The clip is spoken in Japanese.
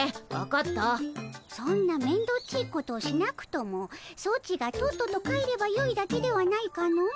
そんなめんどっちいことをしなくともソチがとっとと帰ればよいだけではないかの？